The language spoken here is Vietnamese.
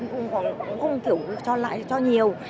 cũng không kiểu cho lại cho nhiều